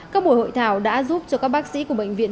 các buổi hội thảo đã giúp cho các bác sĩ của bệnh viện